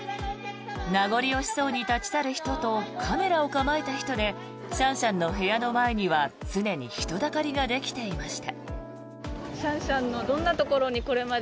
名残惜しそうに立ち去る人とカメラを構えた人でシャンシャンの部屋の前には常に人だかりができていました。